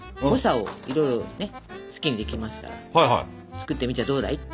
作ってみちゃどうだい？